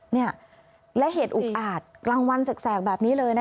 เนี่ยและเหตุอุกอาจกลางวันแสกแบบนี้เลยนะคะ